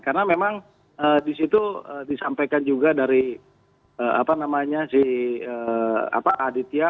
karena memang disitu disampaikan juga dari si aditya